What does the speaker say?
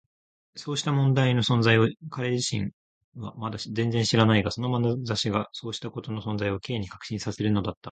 そうした問題の存在を彼自身はまだ全然知らないが、そのまなざしがそうしたことの存在を Ｋ に確信させるのだった。